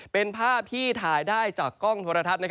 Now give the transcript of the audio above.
เป็นภาพที่ถ่ายได้จากกล้องโทรทัศน์